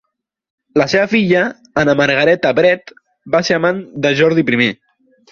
La seva filla, Anna Margaretta Brett, va ser amant de Jordi I.